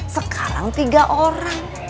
sekarang tiga orang